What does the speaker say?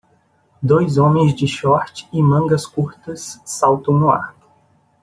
Dois homens de short e mangas curtas saltam no ar